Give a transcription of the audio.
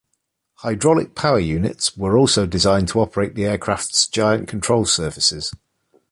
Hydraulic power units were also designed to operate the aircraft's giant control surfaces.